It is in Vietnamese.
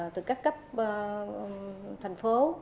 từ các cấp thành phố